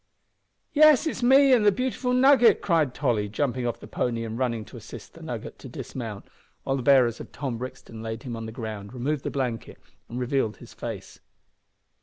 "Yes, it's me an' the Beautiful Nugget" cried Tolly, jumping off the pony and running to assist the Nugget to dismount, while the bearers of Tom Brixton laid him on the ground, removed the blanket, and revealed his face.